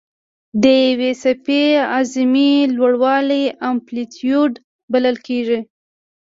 د یوې څپې اعظمي لوړوالی امپلیتیوډ بلل کېږي.